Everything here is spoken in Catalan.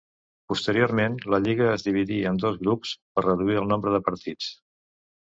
Posteriorment, la lliga es dividí en dos grups per reduir el nombre de partits.